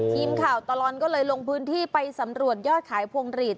ตลอดก็เลยลงพื้นที่ไปสำรวจยอดขายพวงหลีด